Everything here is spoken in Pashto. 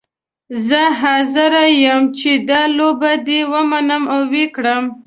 زه حاضره یم چې دا لوبه دې ومنم او وکړم.